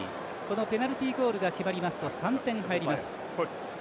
ペナルティゴールが決まりますと３点入ります。